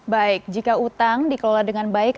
baik jika utang dikelola dengan baik